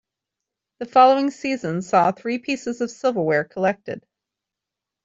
The following season saw three pieces of silverware collected.